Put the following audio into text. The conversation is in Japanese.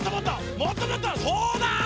そうだ！